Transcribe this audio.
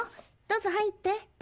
どうぞ入って。